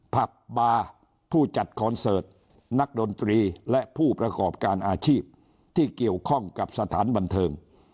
ผับบาร์ผู้จัดคอนเสิร์ตนักดนตรีและผู้ประกอบการอาชีพที่เกี่ยวข้องกับสถานบันเทิง